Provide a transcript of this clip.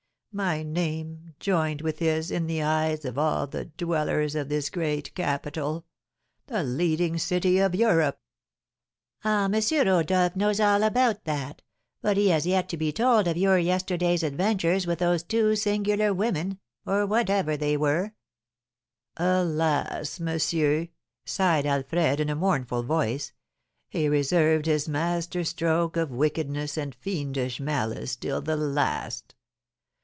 My name joined with his in the eyes of all the dwellers of this great capital, the leading city of Europe!" "Ah, M. Rodolph knows all about that; but he has yet to be told of your yesterday's adventures with those two singular women, or whatever they were." "Alas, monsieur," sighed Alfred, in a mournful voice, "he reserved his master stroke of wickedness and fiendish malice till the last.